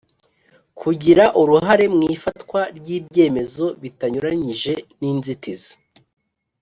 Kugira uruhare mu ifatwa ry’ibyemezo bitanyuranyije n’inzitizi